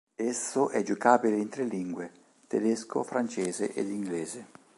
Esso è giocabile in tre lingue: tedesco, francese ed inglese.